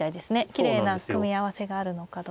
きれいな組み合わせがあるのかどうか。